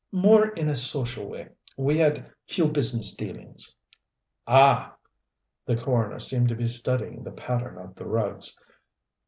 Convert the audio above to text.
"More in a social way. We had few business dealings." "Ah!" The coroner seemed to be studying the pattern of the rugs.